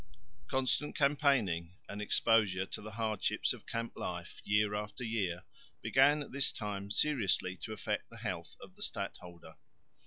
Constant campaigning and exposure to the hardships of camp life year after year began at this time seriously to affect the health of the stadholder.